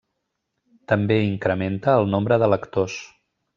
També incrementa el nombre de lectors.